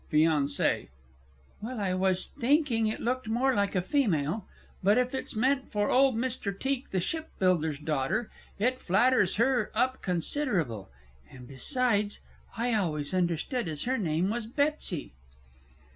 FIANCÉE. Well, I was thinking it looked more like a female. But if it's meant for old Mr. Teak the shipbuilder's daughter, it flatters her up considerable; and, besides, I always understood as her name was Betsy.